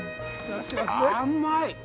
甘い！